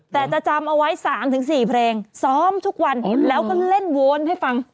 แต่จะจำเอาไว้๓๔เพลงซ้อมทุกวันแล้วก็เล่นโวนให้ฟัง